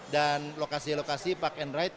lokasi lokasi park and ride